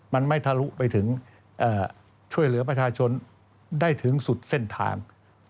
มันไม่ทะลุไปถึงช่วยเหลือประชาชนได้ถึงสุดเส้นทาง